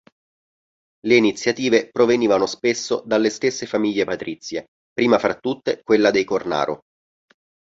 Le iniziative provenivano spesso dalle stesse famiglie patrizie, prima fra tutte quella dei Cornaro.